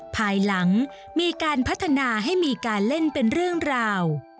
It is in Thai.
ภายหลังมีการพัฒนาให้มีการเล่นเป็นเรื่องราว